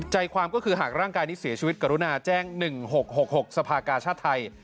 ใจความก็คือหากร่างกายนี้เสียชีวิตกรุณาแจ้ง๑๖๖สภากาชาติไทย